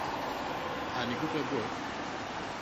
haa msimu huu unaona kwamba wataweza kuendeleza hali hiyo